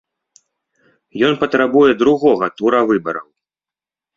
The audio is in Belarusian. Ён патрабуе другога тура выбараў.